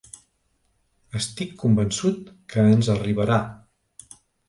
Estic convençut que ens arribarà.